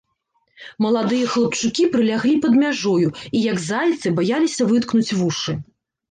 Маладыя хлапчукі прыляглі пад мяжою і, як зайцы, баяліся выткнуць вушы.